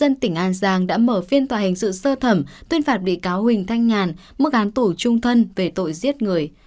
an giang đã mở phiên tòa hành sự sơ thẩm tuyên phạt bị cáo huỳnh thanh nhàn mức án tổ trung thân về tội giết người